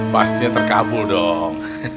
pastinya terkabul dong